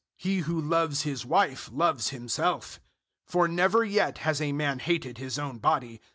He who loves his wife loves himself. 005:029 For never yet has a man hated his own body.